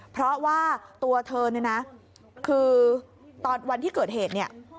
เพราะว่าตัวเธอคือวันที่เกิดเหตุ